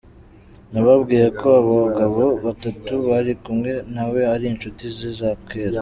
Nababwiye ko abagabo batatu bari kumwe nawe ari inshuti ze za kera.